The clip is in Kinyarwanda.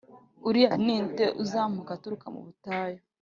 Uriya ni nde uzamuka aturuka mu butayu